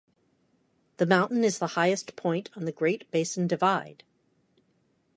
The mountain is the highest point on the Great Basin Divide.